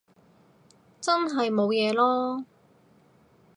真係冇嘢囉